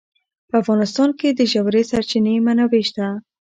په افغانستان کې د ژورې سرچینې منابع شته.